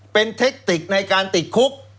เป็นเทคติกในการติดคุก